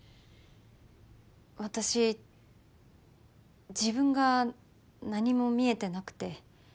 私自分が何も見えてなくて。